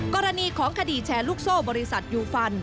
กรณีของคดีแชร์ลูกโซ่บริษัทยูฟัน